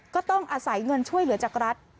ก็ต้องอาศัยเงินช่วยเหลือจากรัฐ